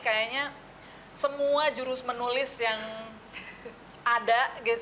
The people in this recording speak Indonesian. kayaknya semua jurus menulis yang ada